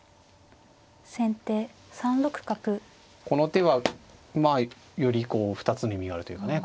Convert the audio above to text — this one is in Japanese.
この手はまあよりこう２つの意味があるというかね。